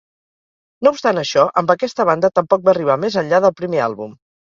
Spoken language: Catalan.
No obstant això, amb aquesta banda tampoc va arribar més enllà del primer àlbum.